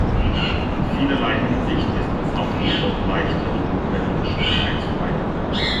In vielerlei Hinsicht ist es auf dem Dorf leichter, die notwendigen Schritte einzuleiten.